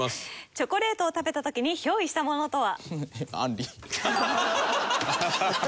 チョコレートを食べた時に憑依したものとは？